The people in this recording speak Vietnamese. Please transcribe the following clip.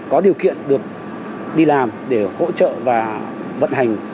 có điều kiện được đi làm để hỗ trợ và vận hành